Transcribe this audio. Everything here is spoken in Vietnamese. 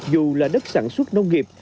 dù là đất sản xuất nông nghiệp